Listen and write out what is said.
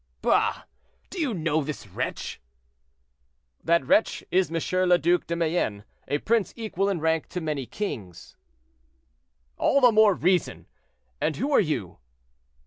"Bah! do you know this wretch?" "That wretch is M. le Duc de Mayenne, a prince equal in rank to many kings." "All the more reason. And who are you?"